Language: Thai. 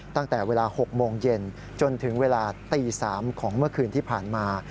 ตั้งแต่เวลา๖โมงเย็นจนถึงเวลาตี๓ของเมื่อคืนที่ผ่านมา